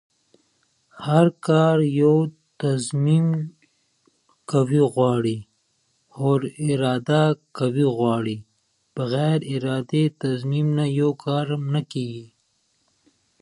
ناسم خوراک انرژي ضایع کوي.